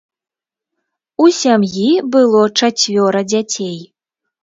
У сям'і было чацвёра дзяцей.